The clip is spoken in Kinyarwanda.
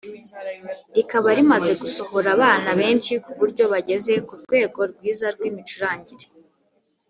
rikaba rimaze gusohora abana benshi ku buryo bageze ku rwego rwiza rw’imicurangire